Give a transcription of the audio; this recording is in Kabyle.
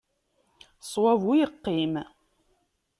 Ṣṣwab ur yeqqim.